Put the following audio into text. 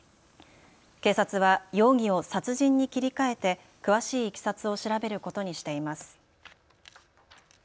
警察は容疑を殺人に切り替えて詳しいいきさつを調べることにしています。